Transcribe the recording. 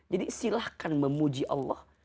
jadi silahkan memuji allah